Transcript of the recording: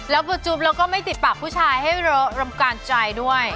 แล้วพอจุ๊บแล้วก็ไม่ติดปากผู้ชายให้รำการใจด้วย